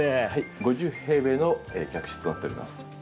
５０平米の客室となっております。